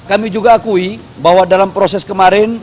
kami juga akui bahwa dalam proses kemarin